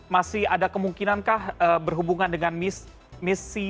masih ada kemungkinankah berhubungan dengan misi